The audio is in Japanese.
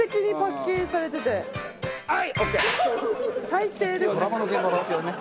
最低ですね。